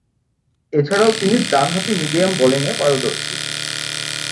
এছাড়াও তিনি ডানহাতি মিডিয়াম বোলিংয়ে পারদর্শী।